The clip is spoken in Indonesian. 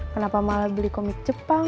kenapa malah beli komik jepang